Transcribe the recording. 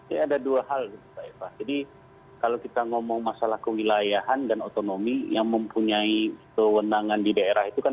ya ada dua hal pak eva jadi kalau kita ngomong masalah kewilayahan dan otonomi yang mempunyai kewenangan di daerah itu kan